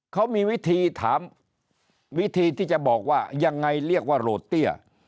เขามีวิธีถามวิธีที่จะบอกว่ายังไงเรียกว่าโหลดเตี้ย